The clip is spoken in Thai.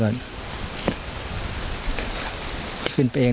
ขึ้นไปเองรึไม่เข้าไม่รู้